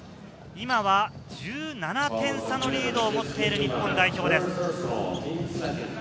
今は１７点差のリードを持っている日本代表です。